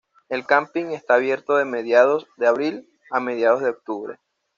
El camping está abierto de mediados de abril a mediados de octubre.